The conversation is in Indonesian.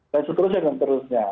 dan seterusnya dengan terusnya